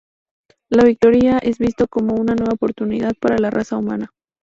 La victoria es visto como una nueva oportunidad para la raza humana.